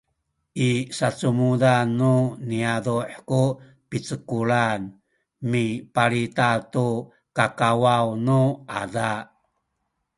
i sacumudan nu niyazu’ ku picekulan mipalita tu kakawaw nu ada